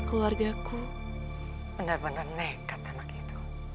kamu mau ke formedasi kamar muchos